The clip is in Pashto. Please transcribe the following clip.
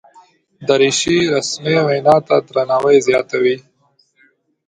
دریشي رسمي وینا ته درناوی زیاتوي.